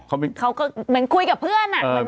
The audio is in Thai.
เขาก็เหมือนคุยกับเพื่อน